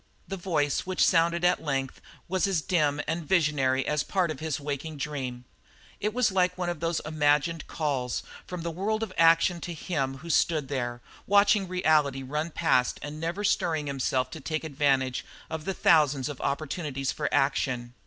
The voice which sounded at length was as dim and visionary as a part of his waking dream. It was like one of those imagined calls from the world of action to him who stood there, watching reality run past and never stirring himself to take advantage of the thousand opportunities for action.